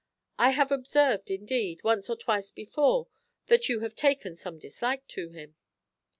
I have observed, indeed, once or twice before, that you have taken some dislike to him.